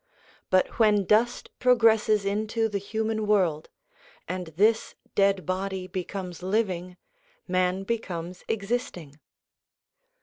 But when dust progresses into the human world, and this dead body becomes living, man becomes existing.